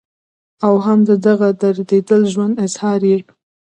او هم د دغه درديدلي ژوند اظهار ئې